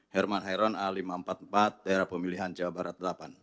herman hairon a lima ratus empat puluh empat daerah pemilihan jawa barat delapan